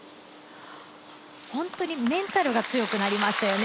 本当にメンタルが強くなりましたよね。